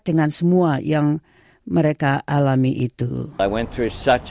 dengan semua yang mereka alami itu